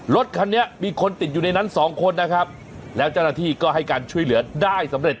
รถคันนี้มีคนติดอยู่ในนั้นสองคนนะครับแล้วเจ้าหน้าที่ก็ให้การช่วยเหลือได้สำเร็จ